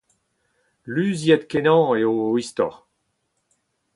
Luziet-kenañ eo o istor.